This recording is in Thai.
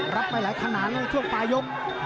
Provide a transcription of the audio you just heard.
รับไปหลายขนาดในช่วงปลายยก